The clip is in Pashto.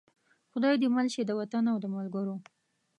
خدای دې مل شي د وطن او د ملګرو.